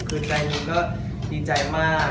คือใจหนึ่งก็ดีใจมาก